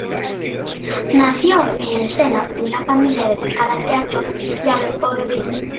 Nació en el seno de una familia dedicada al teatro y al vodevil.